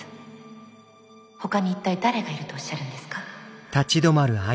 ほかに一体誰がいるとおっしゃるんですか？